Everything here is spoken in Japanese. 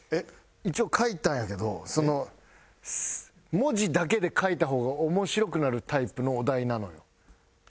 一応描いたんやけどその文字だけで書いた方が面白くなるタイプのお題なのよ。